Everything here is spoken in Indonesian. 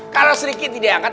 kalau sri kiti diangkat